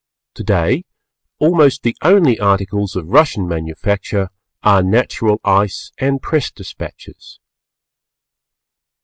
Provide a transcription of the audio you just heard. Today almost the only articles of Russian Manufacture are Natural Ice and Press Dispatches.